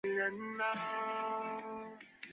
丰塔内斯人口变化图示